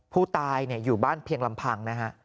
ผู้ตายอยู่บ้านเพียงลำพังนะฮะ